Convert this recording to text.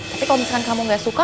tapi kalau misalkan kamu gak suka